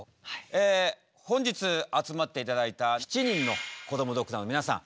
え本日集まって頂いた７人のこどもドクターの皆さん